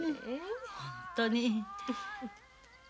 本当に。